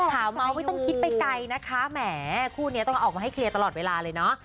ถามเราไม่ต้องคิดไปใกล้นะคะแหมนี่คุณเนี่ยต้องมาให้ครีลตลอดเวลาเลยเนอะ